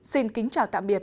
xin kính chào tạm biệt